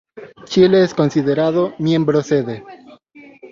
Chile es considerado miembro sede.